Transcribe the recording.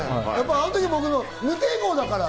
あの時、僕、無抵抗だから。